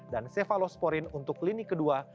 dan cefalosporin untuk lini kedua